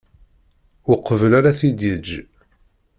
Uqbel ara t-id-yeǧǧ.